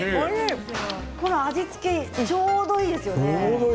味付けちょうどいいですよね。